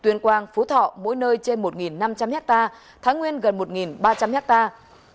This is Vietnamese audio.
tuyên quang phú thọ mỗi nơi trên một năm trăm linh hectare thái nguyên gần một ba trăm linh hectare